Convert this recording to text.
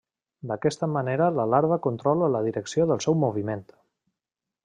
D'aquesta manera la larva controla la direcció del seu moviment.